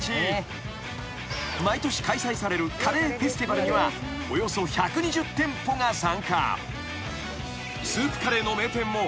［毎年開催されるカレーフェスティバルにはおよそ１２０店舗が参加］